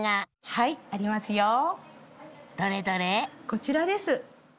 こちらです。